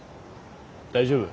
大丈夫？